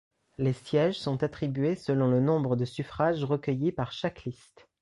Les sièges sont attribués selon le nombre de suffrages recueillis par chaque liste.